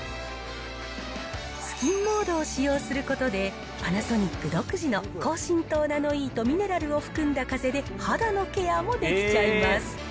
スキンモードを使用することで、パナソニック独自の高浸透ナノイーとミネラルを含んだ風で肌のケアもできちゃいます。